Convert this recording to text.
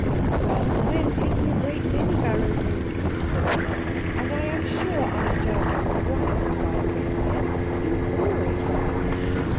"Well, I am taking a great many barrowfuls," said Anna, "and I am sure Uncle Joachim was right to buy a place here he was always right."